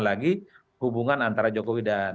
lagi hubungan antara jokowi dan